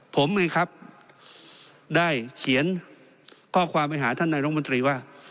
ผมไงครับได้เขียนข้อความไปหาท่านนายรมนตรีว่า